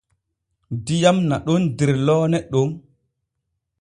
Diyam naɗon der loone ɗon.